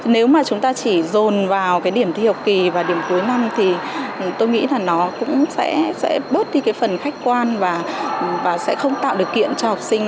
nếu mà chúng ta chỉ dồn vào cái điểm thi học kỳ và điểm cuối năm thì tôi nghĩ là nó cũng sẽ bớt đi cái phần khách quan và sẽ không tạo điều kiện cho học sinh